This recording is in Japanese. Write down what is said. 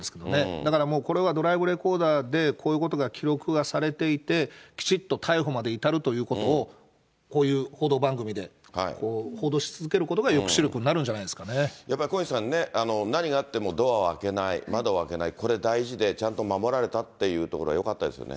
だからもう、これはドライブレコーダーでこういうことが記録がされていて、きちっと逮捕まで至るということを、こういう報道番組で報道し続けることが抑止力になるんじゃないでやっぱり小西さんね、何があってもドアを開けない、窓を開けない、これ大事で、ちゃんと守られたというところはよかったですよね。